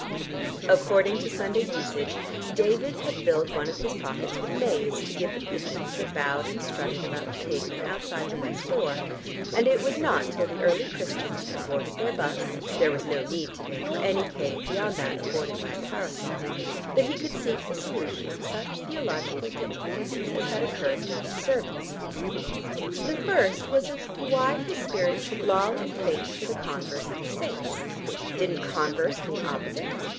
According to Sunday usage David had filled one of his pockets with maize to give the pigeons that bowed and strutted about the pavement outside the west door, and it was not till the early Christians had boarded their bus (there was no need to day for any cave beyond that afforded by a parasol) that he could seek the solution of such theological difficulties as had occurred during the service. The first was as to why his spirit should long and faint for the converse of the Saints. Didn't "converse" mean opposite?